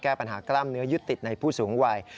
แก้ปัญหากล้ามเนื้อยึดติดในผู้สูงวัย